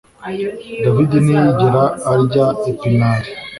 David ntiyigera arya epinari